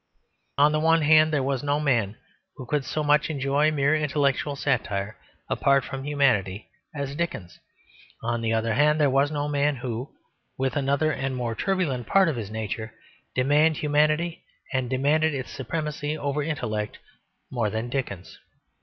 On the one hand there was no man who could so much enjoy mere intellectual satire apart from humanity as Dickens. On the other hand there was no man who, with another and more turbulent part of his nature, demanded humanity, and demanded its supremacy over intellect, more than Dickens.